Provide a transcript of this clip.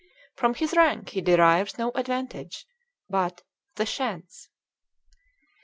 From his rank he derives no advantage but the chance.